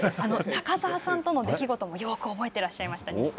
中澤さんとの出来事もよく覚えてらっしゃいました。